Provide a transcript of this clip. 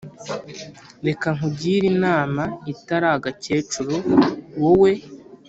reka nkugire inama itari agakecuru, wowe